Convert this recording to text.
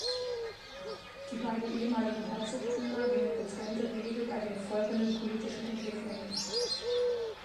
Die beiden ehemaligen Herzogtümer gingen getrennte Wege bei den folgenden politischen Entwicklungen.